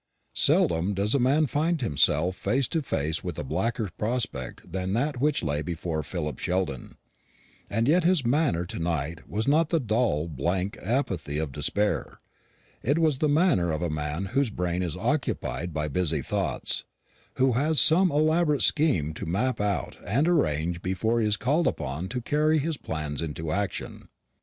Seldom does a man find himself face to face with a blacker prospect than that which lay before Philip Sheldon; and yet his manner to night was not the dull blank apathy of despair. It was the manner of a man whose brain is occupied by busy thoughts; who has some elaborate scheme to map out and arrange before he is called upon to carry his plans into action.